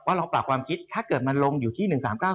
ลองปรับความคิดถ้าเกิดมันลงอยู่ที่๑๓๙๙